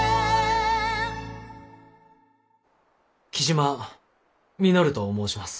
雉真稔と申します。